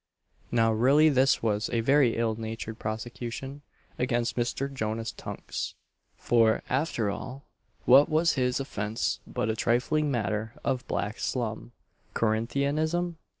Now really this was a very ill natured prosecution against Mr. Jonas Tunks; for, after all, what was his offence but a trifling matter of "back slum" Corinthianism?